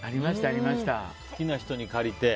好きな人に借りて。